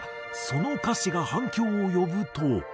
その歌詞が反響を呼ぶと。